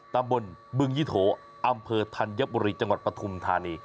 ตำบลบึงยี่โถอำเภอธัญบุรีจังหวัดปฐุมธานี